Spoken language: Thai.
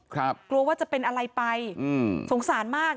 กลัวว่าจะเป็นอะไรไปอืมสงสารมาก